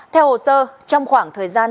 theo hồ sơ trong khoảng thời gian